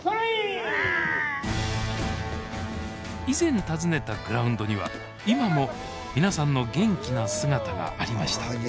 以前訪ねたグラウンドには今も皆さんの元気な姿がありました